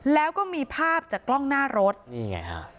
แล้วก็มีภาพจากกล้องหน้ารถนี่ไงฮะ